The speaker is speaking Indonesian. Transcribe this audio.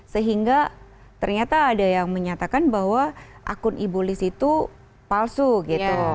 sehingga ternyata ada yang menyatakan bahwa akun ibu liz itu palsu gitu